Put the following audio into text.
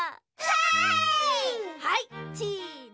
はいチーズ。